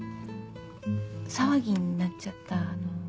騒ぎになっちゃったあの。